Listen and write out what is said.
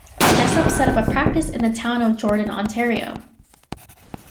Jessop set up a practice in the town of Jordan, Ontario.